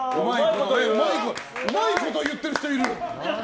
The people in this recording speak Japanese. うまいこと言ってる人いる。